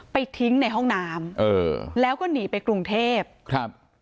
ไปทิ้งในห้องน้ำเออแล้วก็หนีไปกรุงเทพครับ